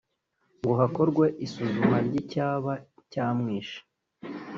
ngo hakorwe isuzuma ry’icyaba cyamwishe